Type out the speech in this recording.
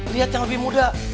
lihat yang lebih muda